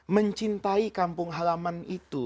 mencintai kampung halaman itu